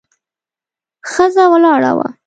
ښځه ولاړه وه.